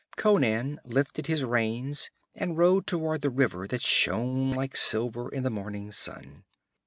Conan lifted his reins and rode toward the river that shone like silver in the morning sun.